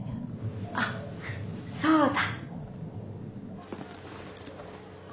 「あっそうだ」。